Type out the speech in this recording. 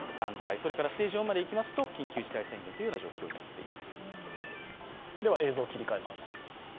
それからステージ４までいきますと緊急事態宣言ということになります。